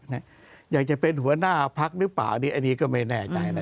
อยากจะเป็นหัวหน้าพักหรือเปล่าอันนี้ก็ไม่แน่ใจนะ